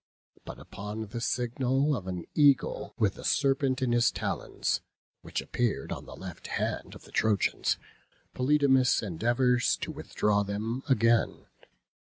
But upon the signal of an eagle with a serpent in his talons, which appeared on the left hand of the Trojans, Polydamas endeavours to withdraw them again.